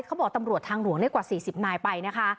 ตำรวจทางหลวงกว่า๔๐นายไปนะคะ